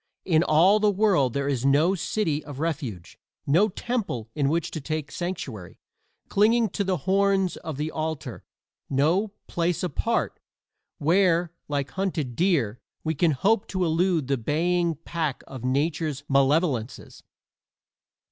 In all the world there is no city of refuge no temple in which to take sanctuary, clinging to the horns of the altar no "place apart" where, like hunted deer, we can hope to elude the baying pack of Nature's malevolences.